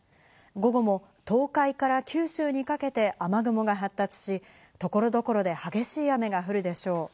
午後も東海から九州にかけて雨雲が発達し、所々で激しい雨が降るでしょう。